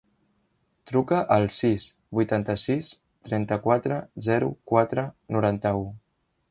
Truca al sis, vuitanta-sis, trenta-quatre, zero, quatre, noranta-u.